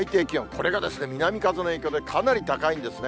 これが南風の影響で、かなり高いんですね。